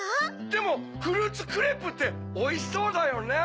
でもフルーツクレープっておいしそうだよね！